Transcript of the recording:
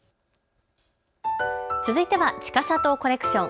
続いてはちかさとコレクション。